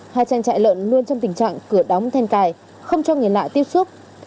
hai trang trại lợn luôn trong tình trạng cửa đóng then cài không cho người lạ tiếp xúc